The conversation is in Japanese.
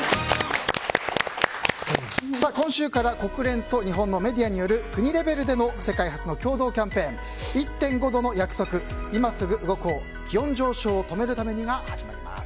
今週から国連と日本のメディアによる国レベルでの世界初の共同キャンペーン「１．５℃の約束‐いますぐ動こう、気温上昇を止めるために。」が始まります。